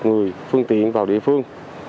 người phương tiện vào địa phương